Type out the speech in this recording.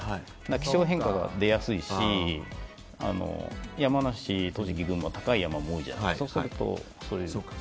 気象変化が出やすいし山梨、栃木、群馬高い山も多いじゃないですか。